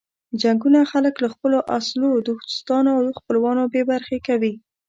جنګونه خلک له خپلو اصلو دوستانو او خپلوانو بې برخې کوي.